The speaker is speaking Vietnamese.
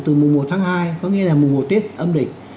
từ mùa một tháng hai có nghĩa là mùa một tết âm định